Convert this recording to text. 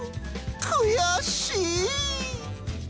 くやしぃ！」。